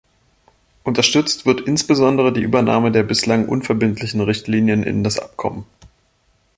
Unterstützt wird insbesondere die Übernahme der bislang unverbindlichen Richtlinien in das Abkommen.